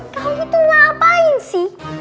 kau itu ngapain sih